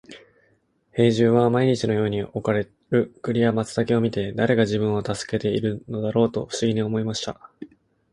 兵十は毎日のように置かれる栗や松茸を見て、誰が自分を助けてくれているのだろうと不思議に思いました。